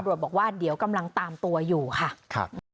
บอกว่าเดี๋ยวกำลังตามตัวอยู่ค่ะครับ